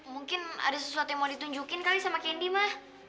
mungkin ada sesuatu yang mau ditunjukin kali sama kendi mah